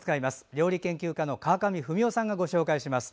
料理研究家の川上文代さんがご紹介します。